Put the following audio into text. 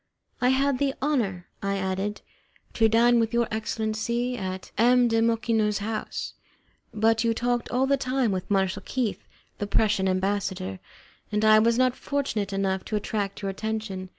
"I had the honour," I added, "to dine with your excellency at M. de Mocenigo's house, but you talked all the time with Marshal Keith, the Prussian ambassador, and I was not fortunate enough to attract your attention.